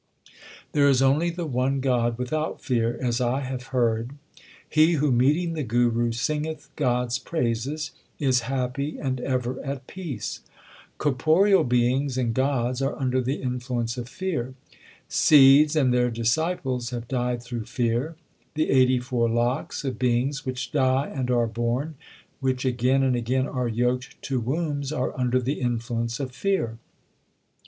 There is only the one God without fear, as I have heard. He who meeting the Guru singeth God s praises, is happy and ever at peace. 1 Maru. 94 THE SIKH RELIGION Corporeal beings and gods are under the influence of fear ; Sidhs and their disciples have died through fear. The eighty four lakhs of beings which die and are born, which again and again are yoked to wombs, are under the influence of fear.